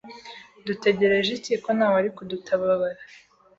dutegereje iki ko ntawari kudutababara